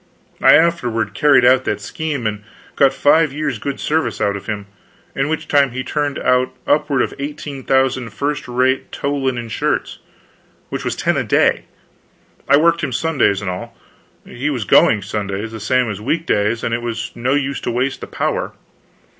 I afterward carried out that scheme, and got five years' good service out of him; in which time he turned out upward of eighteen thousand first rate tow linen shirts, which was ten a day. I worked him Sundays and all; he was going, Sundays, the same as week days, and it was no use to waste the power.